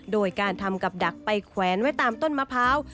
โดยการทำกับดักไปแขวนไว้ตามต้นมะพร้าว